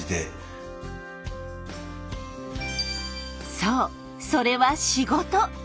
そうそれは仕事。